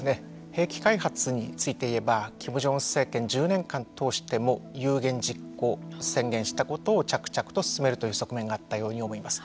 兵器開発についていえばキム・ジョンウン政権１０年間を通しても通しても有言実行宣言したことを着々と進めるという側面があったように思います。